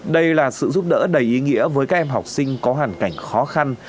đây là sự giúp đỡ đầy ý nghĩa với các em học sinh có hoàn cảnh khó khăn